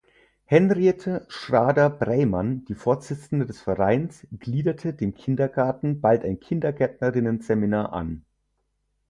Henriette Schrader-Breymann, die Vorsitzende des Vereins, gliederte dem Kindergarten bald ein Kindergärtnerinnen-Seminar an.